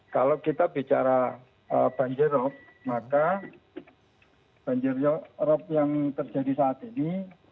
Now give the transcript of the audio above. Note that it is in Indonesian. kalau kita bicara banjirop maka banjir rob yang terjadi saat ini